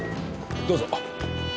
どうぞ。